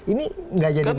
ini tidak jadi masalah